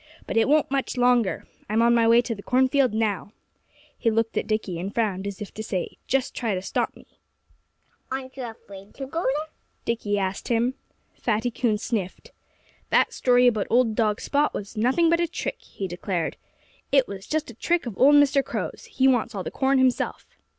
"But it won't much longer. I'm on my way to the cornfield now." He looked at Dickie and frowned, as if to say, "Just try to stop me!" "Aren't you afraid to go there?" Dickie asked him. Fatty Coon sniffed. "That story about old dog Spot was nothing but a trick," he declared. "It was just a trick of old Mr. Crow's. He wants all the corn himself."